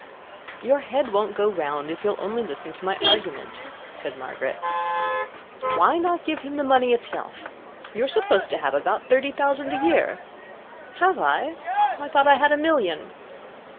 "Your head won't go round if only you'll listen to my argument," said Margaret. "Why not give him the money itself. You're supposed to have about thirty thousand a year." "Have I? I thought I had a million."